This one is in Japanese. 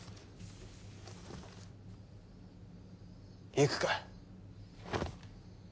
行くか！